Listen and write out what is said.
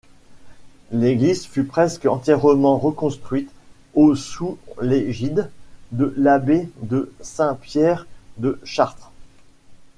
L’église fut presque entièrement reconstruite au sous l’égide de l’abbé de Saint-Pierre de Chartres.